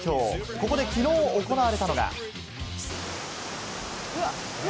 ここで、きのう行われたのが。